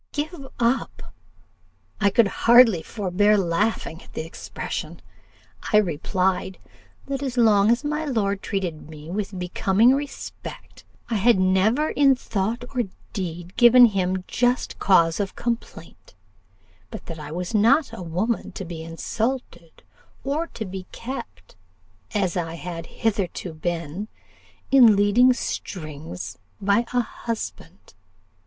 "'Give up!' I could hardly forbear laughing at the expression. I replied, 'that as long as my lord treated me with becoming respect, I had never in thought or deed given him just cause of complaint; but that I was not a woman to be insulted, or to be kept, as I had hitherto been, in leading strings by a husband.